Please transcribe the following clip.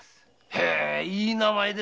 へぇいい名前で。